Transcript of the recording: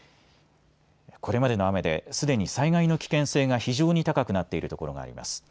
これまでの雨ですでに災害の危険性が非常に高くなっている所があります。